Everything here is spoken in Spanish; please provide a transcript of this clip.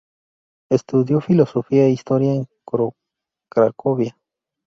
Estudió filosofía e historia en Cracovia.